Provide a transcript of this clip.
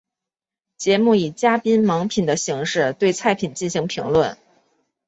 节目以嘉宾盲品的形式对菜品进行评论。